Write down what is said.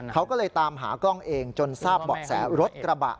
เขาก็เลยตามหากล้องเองจนทราบเบาะแสรถกระบะ